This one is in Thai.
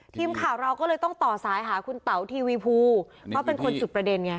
ทีมข่าวเราก็เลยต้องต่อสายหาคุณเต๋าทีวีภูเพราะเป็นคนจุดประเด็นไง